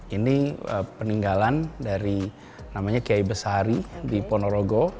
ini peninggalan dari namanya kiai besari di ponorogo